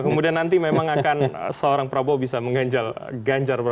kemudian nanti memang akan seorang prabowo bisa mengganjal ganjar